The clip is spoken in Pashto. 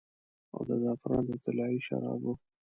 او د زعفران د طلايي شرابو